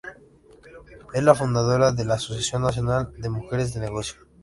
Es la fundadora de la Asociación Nacional de Mujeres de Negocios.